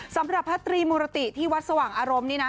สำหรับพระตรีมุรติที่วัดสว่างอารมณ์นี่นะ